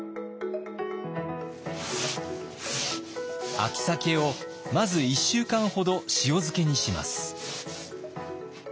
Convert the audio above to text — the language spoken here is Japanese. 秋鮭をまず１週間ほど塩漬けにします。